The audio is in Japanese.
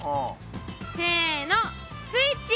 せのスイッチ。